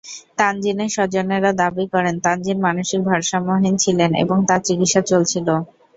তানজিনের স্বজনেরা দাবি করেন, তানজিন মানসিক ভারসাম্যহীন ছিলেন এবং তাঁর চিকিৎসা চলছিল।